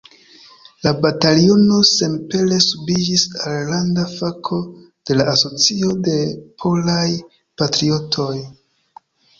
La bataliono senpere subiĝis al landa fako de la Asocio de Polaj Patriotoj.